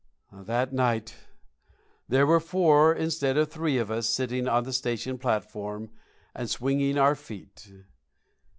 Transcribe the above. That night there were four instead of three of us sitting on the station platform and swinging our feet.